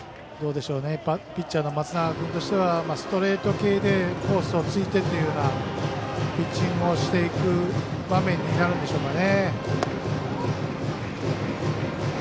ピッチャーの松永君としてはストレート系でコースをついてというピッチングをしていく場面になるでしょうかね。